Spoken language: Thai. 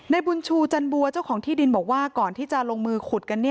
บุญชูจันบัวเจ้าของที่ดินบอกว่าก่อนที่จะลงมือขุดกัน